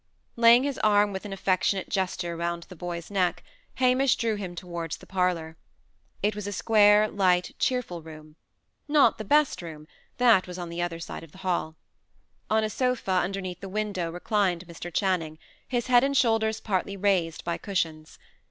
Laying his arm with an affectionate gesture round the boy's neck, Hamish drew him towards the parlour. It was a square, light, cheerful room. Not the best room: that was on the other side the hall. On a sofa, underneath the window, reclined Mr. Channing, his head and shoulders partly raised by cushions.